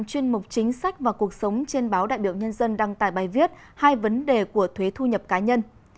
giống trên báo đại biểu nhân dân đăng tài bài viết hai vấn đề của thuế thu nhập cá nhân